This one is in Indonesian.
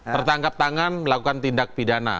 dua pertangkap tangan melakukan tindak pidana